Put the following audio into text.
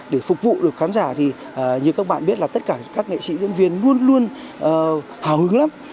để phục vụ được khán giả thì như các bạn biết là tất cả các nghệ sĩ diễn viên luôn luôn hào hứng lắm